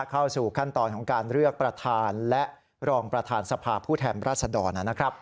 เข้าสู่ขั้นตอนของการเลือกประธานและรองประธานสภาผู้แทนรัศดรนะครับ